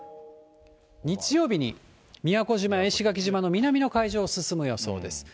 日曜日に宮古島や石垣島の南の海上を進む予想です。